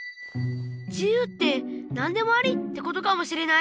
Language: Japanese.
自由って何でもありってことかもしれない。